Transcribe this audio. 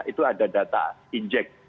itu ada data injek